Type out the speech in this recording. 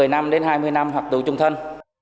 một mươi năm đến hai mươi năm hoặc tù trung thân